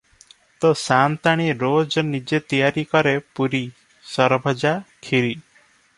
ତୋ’ ସା’ନ୍ତାଣୀ ରୋଜ ନିଜେ ତିଆରି କରେ ପୁରି, ସରଭଜା, କ୍ଷୀରୀ ।